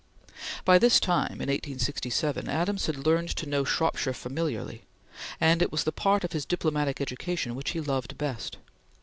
By this time, in 1867 Adams had learned to know Shropshire familiarly, and it was the part of his diplomatic education which he loved best.